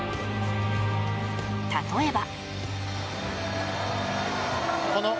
例えば。